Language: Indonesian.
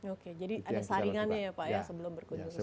oke jadi ada saringannya ya pak ya sebelum berkunjung ke